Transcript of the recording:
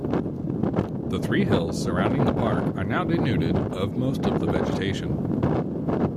The three hills surrounding the park are now denuded of most of the vegetation.